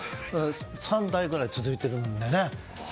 ３代ぐらい続いているのでね。